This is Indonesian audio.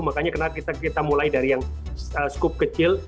makanya kenapa kita mulai dari yang skup kecil